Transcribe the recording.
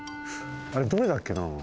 あれどれだっけなあ。